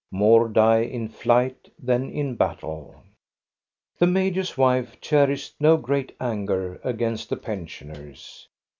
More die in flight than in battle. The major's wife cherished no great anger against the pensioners.